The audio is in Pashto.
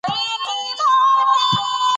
ښتې د افغانستان د امنیت په اړه هم اغېز لري.